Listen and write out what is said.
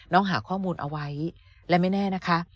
หาข้อมูลเอาไว้และไม่แน่นะคะ